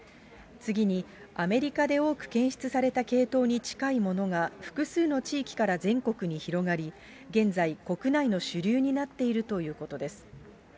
次に、アメリカで多く検出された系統に近いものが複数の地域から全国に広がり、現在、国内の主流になっているということです。